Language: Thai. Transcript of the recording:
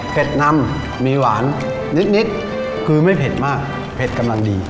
นำมีหวานนิดคือไม่เผ็ดมากเผ็ดกำลังดี